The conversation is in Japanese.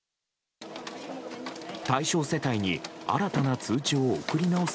対象世帯に新たな通知を送り直す